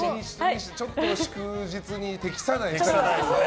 ちょっと祝日に適さないですね。